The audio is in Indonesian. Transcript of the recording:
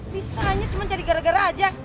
pisanya cuma jadi gara gara aja